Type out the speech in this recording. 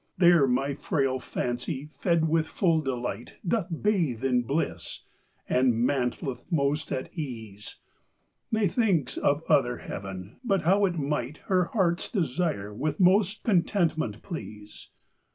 There my fraile fancy, fed with full delight, Doth bathe in blisse, and mantlcth most at ease; Ne thinks of other heaven, but how it might Her harts desire with most contentment please.